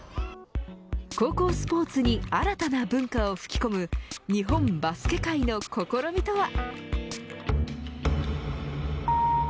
高校スポーツに新たな文化を吹き込む日本バスケ界の試みとは。